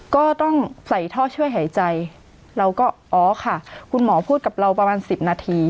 ก็ต้องใส่ท่อช่วยหายใจเราก็อ๋อค่ะคุณหมอพูดกับเราประมาณ๑๐นาที